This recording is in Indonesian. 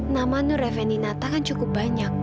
nama nur fnd nata kan cukup banyak